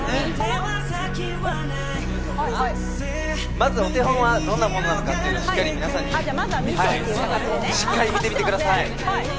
まずお手本はどんなものなのかしっかり見てみてください。